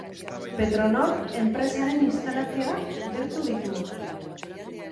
Petronor enpresaren instalazioak gertu ditu.